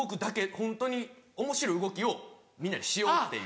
ホントにおもしろい動きをみんなでしようっていう。